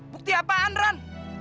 bukti apaan ran